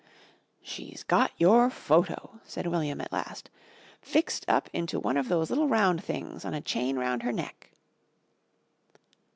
"She's got your photo," said William at last, "fixed up into one of those little round things on a chain round her neck."